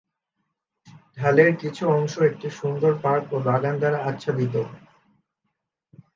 ঢালের কিছু অংশ একটি সুন্দর পার্ক ও বাগান দ্বারা আচ্ছাদিত।